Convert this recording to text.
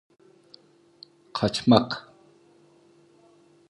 Kaçmak.